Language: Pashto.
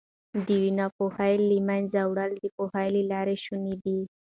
د ناپوهۍ له منځه وړل د پوهې له لارې شوني دي.